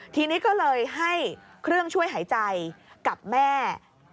ทีนี้ก็เลยให้เครื่องช่วยหายใจกับแม่